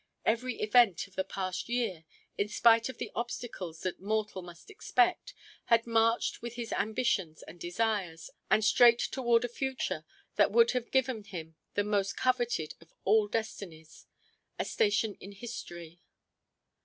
Every event of the past year, in spite of the obstacles that mortal must expect, had marched with his ambitions and desires, and straight toward a future that would have given him the most coveted of all destinies, a station in history.